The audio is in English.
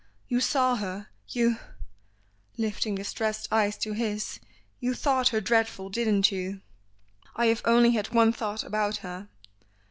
You saw her, you " lifting distressed eyes to his "you thought her dreadful, didn't you?" "I have only had one thought about her.